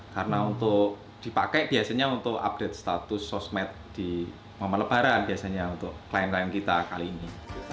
karena untuk dipakai biasanya untuk update status sosmed di momen lebaran biasanya untuk klien klien kita kali ini